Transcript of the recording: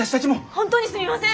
本当にすみません。